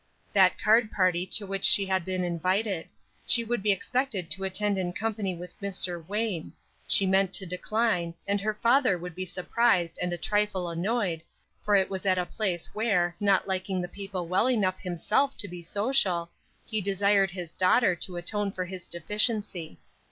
That card party to which she had been invited; she would be expected to attend in company with Mr. Wayne; she meant to decline, and her father would be surprised and a trifle annoyed, for it was at a place where, not liking the people well enough himself to be social, he desired his daughter to atone for his deficiency.